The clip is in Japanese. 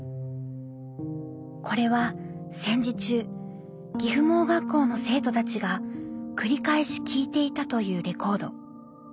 これは戦時中岐阜盲学校の生徒たちが繰り返し聴いていたというレコード。